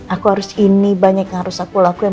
aku harus ini banyak yang harus aku lakuin